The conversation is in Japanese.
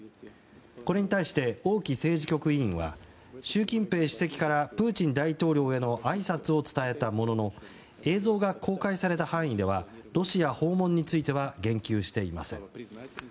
これに対して王毅政治局委員は習近平主席からプーチン大統領へのあいさつを伝えたものの映像が公開された範囲ではロシア訪問については言及していません。